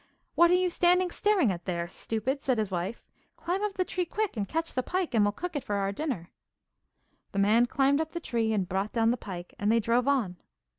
'What are you standing staring at there, stupid?' said his wife. 'Climb up the tree quick and catch the pike, and we'll cook it for dinner.' The man climbed up the tree and brought down the pike, and they drove on.